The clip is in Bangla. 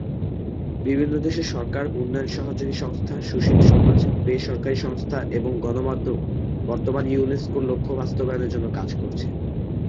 বিভিন্ন দেশের সরকার, উন্নয়ন সহযোগী সংস্থা, সুশীল সমাজ, বে-সরকারী সংস্থা এবং গণমাধ্যম বর্তমানে ইউনেস্কোর এ লক্ষ্য বাস্তবায়নের জন্য কাজ করছে।